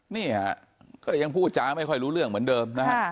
นี่ฮะก็ยังพูดจาไม่ค่อยรู้เรื่องเหมือนเดิมนะฮะ